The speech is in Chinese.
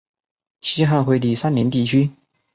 西汉惠帝三年地区。